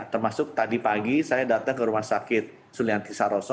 termasuk tadi pagi saya datang ke rumah sakit sulianti saroso